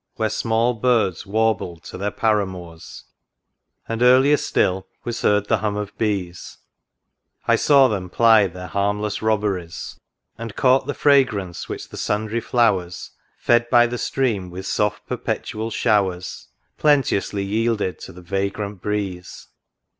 Where small birds warbled to their paramours ; And, earlier still, was heard the hum of bees; I saw them ply their harmless robberies, And caught the fragrance which the sundry flowers. Fed by the stream with soft perpetual showers, Plenteously yielded to the vagrant breeze.